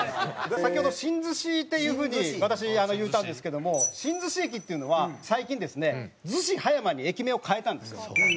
先ほど新子っていうふうに私言ったんですけども新子駅っていうのは最近ですね子・葉山に駅名を変えたんですよ。